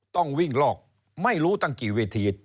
ต้องวิ่งลอกไม่รู้ตั้งกี่เวที